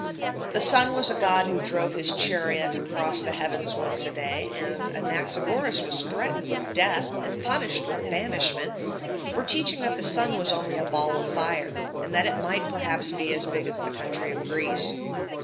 The sun was a god who drove his chariot across the heavens once a day; and Anaxagoras was threatened with death and punished with banishment for teaching that the sun was only a ball of fire, and that it might perhaps be as big as the country of Greece.